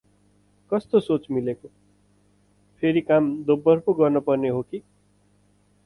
कस्तो सोच मिलेको, फेरि काम दोब्बर पो गर्नु पर्ने हो की?